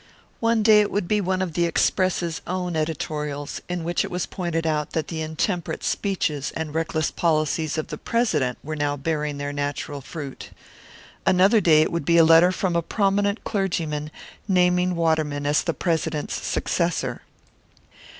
One day it would be one of the Express's own editorials, in which it was pointed out that the intemperate speeches and reckless policies of the President were now bearing their natural fruit; another day it would be a letter from a prominent clergyman, naming Waterman as the President's successor.